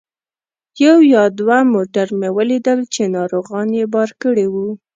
یو یا دوه موټر مې ولیدل چې ناروغان یې بار کړي وو.